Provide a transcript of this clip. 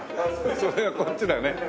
それがこっちだね。